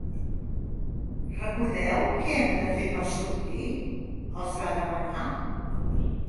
Recordeu què hem de fer per sortir? —els va demanar.